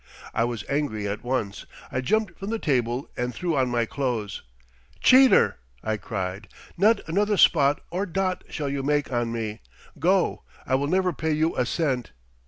"I was angry at once. I jumped from the table and threw on my clothes. 'Cheater!' I cried. 'Not another spot or dot shall you make on me! Go! I will never pay you a cent!'